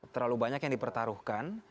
terlalu banyak yang dipertaruhkan